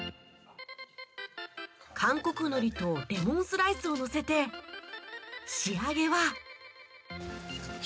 韓国のりとレモンスライスをのせて仕上げは